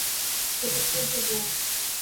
دوپٹے بھگو